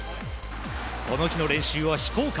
この日の練習は非公開。